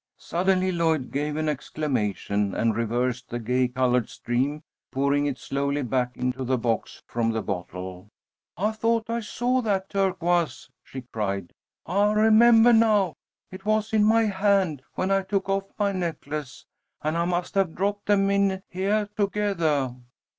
Suddenly Lloyd gave an exclamation and reversed the gay colored stream, pouring it slowly back into the box from the bottle. "I thought I saw that turquoise," she cried. "I remembah now, it was in my hand when I took off my necklace, and I must have dropped them in heah togethah."